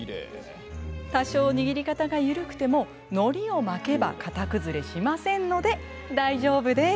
多少、握り方が緩くてものりを巻けば形崩れしませんので大丈夫です。